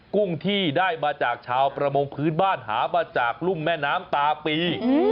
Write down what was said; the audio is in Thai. กุ้งที่ได้มาจากชาวประมงพื้นบ้านหามาจากรุ่มแม่น้ำตาปี